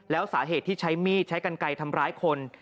แล้วสาเหตุที่ใช้มีดใช้กันไกลทำร้ายคน